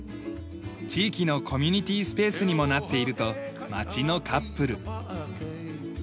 地域のコミュニティースペースにもなっていると町のカップル。